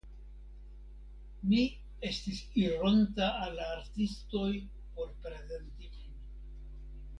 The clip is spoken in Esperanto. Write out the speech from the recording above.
Mi estis ironta al la artistoj por prezenti min.